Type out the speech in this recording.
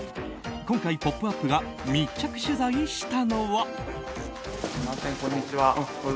今回「ポップＵＰ！」が密着取材したのは。